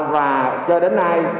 và cho đến nay